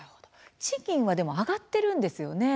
賃金は上がっているんですよね。